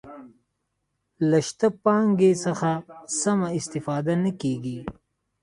له شته پانګې څخه سمه استفاده نه کیږي.